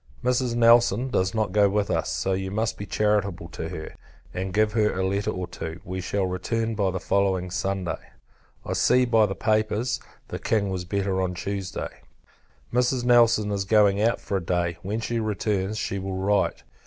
Mrs. Nelson does not go with us; so you must be charitable to her, and give her a letter or two. We shall return by the following Sunday. I see, by the papers, the King was better on Tuesday. Mrs. Nelson is going out for a day; when she returns, she will write.